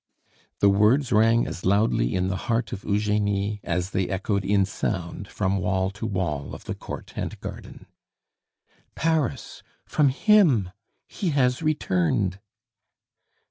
The words rang as loudly in the heart of Eugenie as they echoed in sound from wall to wall of the court and garden. "Paris from him he has returned!"